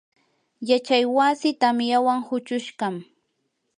yachay wasii tamyawan huchushqam.